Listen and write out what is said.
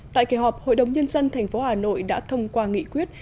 tại kỳ họp hội đồng nhân dân tp hà nội đã thông qua nghị quyết